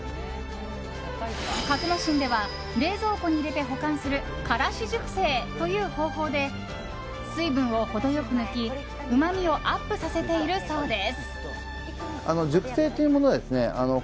格之進では冷蔵庫に入れて保管する枯らし熟成という方法で水分を程良く抜き、うまみをアップさせているそうです。